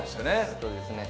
そうですね。